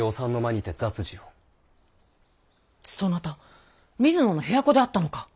そなた水野の部屋子であったのか。